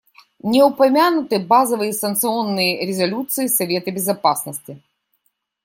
Не упомянуты базовые санкционные резолюции Совета Безопасности.